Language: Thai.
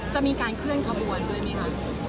จะมีการเคลื่อนขบวนด้วยไหมคะ